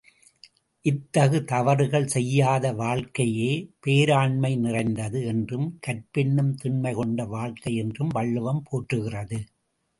இத்தகு தவறுகள் செய்யாத வாழ்க்கையையே, பேராண்மை நிறைந்தது என்றும், கற்பெனும் திண்மை கொண்ட வாழ்க்கை என்றும் வள்ளுவம் போற்றுகிறது.